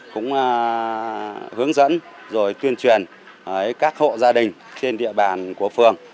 cũng hướng dẫn rồi tuyên truyền các hộ gia đình trên địa bàn của phường